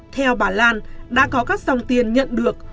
theo bà lan đã có các dòng tiền nhận được